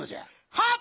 はっ！